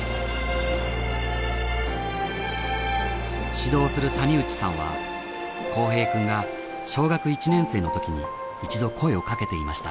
指導する谷内さんは幸平くんが小学１年生のときに一度声をかけていました。